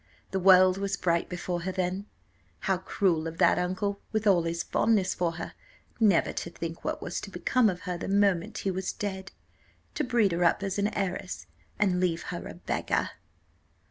The world was bright before her then. How cruel of that uncle, with all his fondness for her, never to think what was to become of her the moment he was dead: to breed her up as an heiress, and leave her a beggar!"